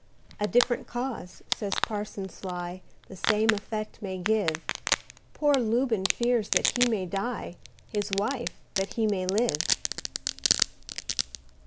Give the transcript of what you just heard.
A different cause, says Parson Sly, The same effect may give: Poor Lubin fears that he may die; His wife, that he may live.